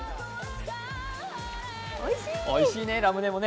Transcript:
おいしいね、ラムネも。